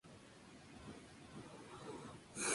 Ambos sexos realizan dos mudas del plumaje al año.